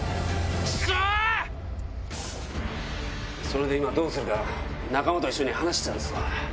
それで今どうするか仲間と一緒に話してたんすわ。